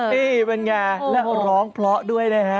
นี่เป็นไงแล้วร้องเพราะด้วยนะฮะ